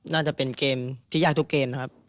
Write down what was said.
น่าจะเป็นเกมที่ยากทุกเกมนะครับ